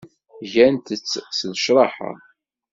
Gant-t s lecraha.